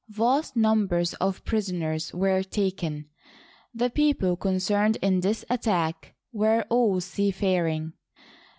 Vast numbers of prisoners were taken. The people concerned in this attack were all seafaring.